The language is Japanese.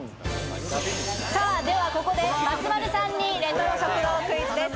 ではここで松丸さんにレトロ食堂クイズです。